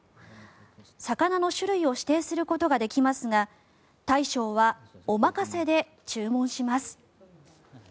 魚の種類を指定することができますが大将はお任せで注文します。